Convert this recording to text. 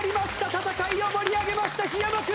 戦いを盛り上げました檜山君！